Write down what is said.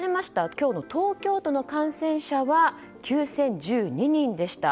今日の東京都の感染者は９０１２人でした。